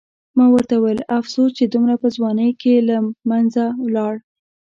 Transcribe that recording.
ما ورته وویل: افسوس چې دومره په ځوانۍ کې له منځه ولاړ.